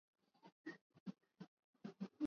It is the second largest hospital in the country.